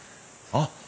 あっ！